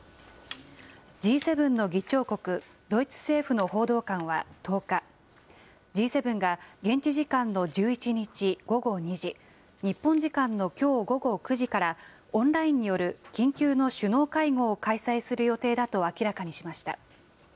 Ｇ７の議長国、ドイツ政府の報道官は１０日、Ｇ７が現地時間の１１日午後２時、日本時間のきょう午後９時から、オンラインによる緊急の首脳会合を開催する予定だと明らかにしました。